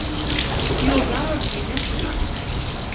Yuba ur d-yenni acemma.